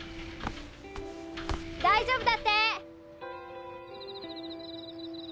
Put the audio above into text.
大丈夫だって。